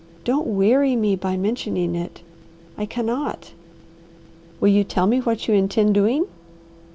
Don't weary me by mentioning it. I cannot." "Will you tell me what you intend doing?"